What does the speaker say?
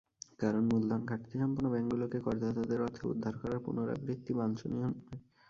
কারণ, মূলধন ঘাটতিসম্পন্ন ব্যাংকগুলোকে করদাতাদের অর্থে উদ্ধার করার পুনরাবৃত্তি বাঞ্ছনীয় নয়।